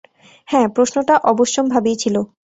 হ্যাঁ, প্রশ্নটা অবশ্যম্ভাবীই ছিল।